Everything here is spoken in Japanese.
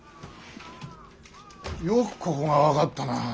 よくここが分かったな。